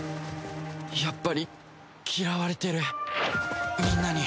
やっぱり嫌われてるみんなに